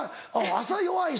朝弱い人